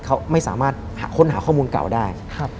เขาไม่สามารถค้นหาข้อมูลเก่าได้